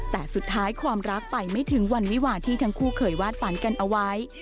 แต่สุดท้ายความรักไปไม่ถึงวันวิวาที่ทั้งคู่เคยวาดฝันกันเอาไว้